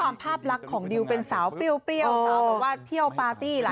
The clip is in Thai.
ด้วยความภาพรักของดิวเป็นสาวเปรี้ยวเปรี้ยวแบบว่าเที่ยวปาร์ตี้หลาย